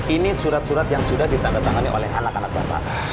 ini surat surat yang sudah ditandatangani oleh anak anak bapak